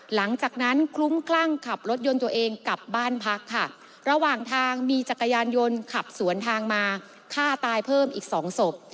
หลังจากนั้นคลุ้มคลั่งขับรถยนต์ตัวเองกลับบ้านพักค่ะระหว่างทางมีจักรยานยนต์ขับสวนทางมาฆ่าตายเพิ่มอีกสองศพ